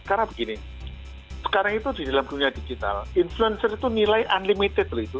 karena begini sekarang itu di dalam dunia digital influencer itu nilai unlimited itu